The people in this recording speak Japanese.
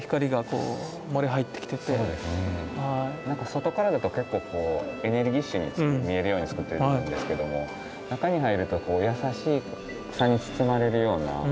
外からだと結構エネルギッシュに見えるように作ってるんですけども中に入ると優しさに包まれるような。